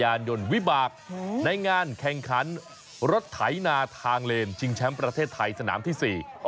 ยนต์วิบากในงานแข่งขันรถไถนาทางเลนชิงแชมป์ประเทศไทยสนามที่สี่